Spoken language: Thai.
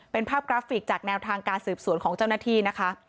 เป็นภาพกราฟิกจากแนวทางการสืบสวนของเจ้าหน้าที่นะคะ